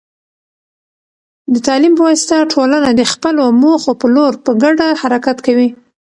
د تعلیم په واسطه، ټولنه د خپلو موخو په لور په ګډه حرکت کوي.